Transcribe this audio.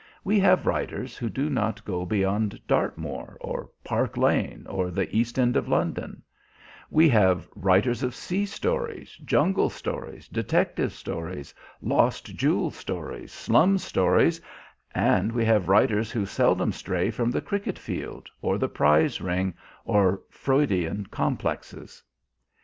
We have writers who do not go beyond Dartmoor, or Park Lane, or the East End of London; we have writers of sea stories, jungle stories, detective stories, lost jewel stories, slum stories, and we have writers who seldom stray from the cricket field or the prize ring, or Freudian complexes.